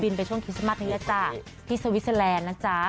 ไปช่วงคริสต์มัสนี้แล้วจ้ะที่สวิสเตอร์แลนด์นะจ๊ะ